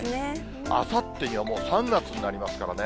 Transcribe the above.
あさってにはもう、３月になりますからね。